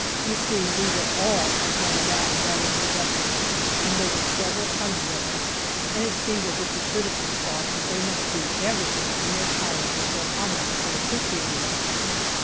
You see, we were all at home now, that is, the veterans, and there were several hundred of us, and it seemed as if the citizens thought that they must do everything in their power to show how much they appreciated us.